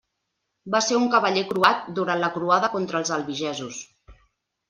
Va ser un cavaller croat durant la croada contra els albigesos.